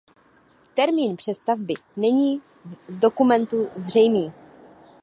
Termín přestavby není z dokumentu zřejmý.